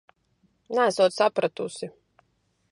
Neesot sapratusi...